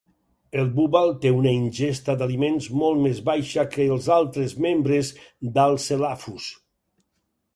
El búbal té una ingesta d'aliments molt més baixa que els altres membres d'Alcelaphus.